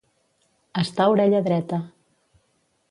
Estar orella dreta.